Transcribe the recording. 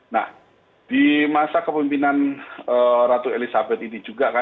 nah di masa kepemimpinan ratu elizabeth ii